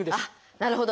なるほど。